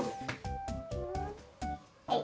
はい。